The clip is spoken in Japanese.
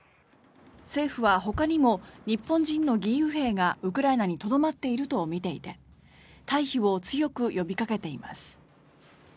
政府はほかにも日本人の義勇兵がウクライナにとどまっているとみていて退避を強く呼びかけています。